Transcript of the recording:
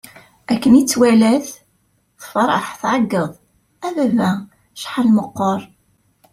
Akken i tt-walat, tefṛeḥ, tɛeggeḍ: A baba! Acḥal meqqeṛ!